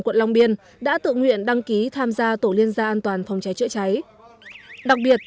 quận long biên đã tự nguyện đăng ký tham gia tổ liên gia an toàn phòng cháy chữa cháy đặc biệt